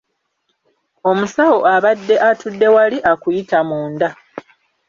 Omusawo abadde atudde wali akuyita munda.